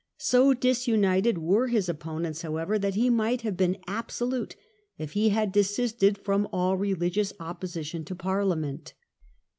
So disunited were his opponents, however, that he might have been absolute if he had desisted from all religious opposition to Parliament.